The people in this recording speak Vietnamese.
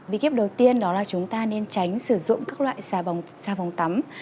bí kiếp đầu tiên đó là chúng ta nên tránh sử dụng các loại xà phòng tắm